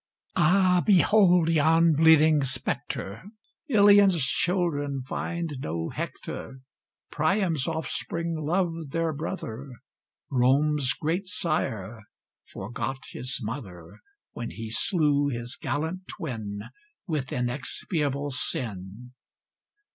Ah! behold yon bleeding spectre! Ilion's children find no Hector; Priam's offspring loved their brother; Rome's great sire forgot his mother, When he slew his gallant twin, With inexpiable sin.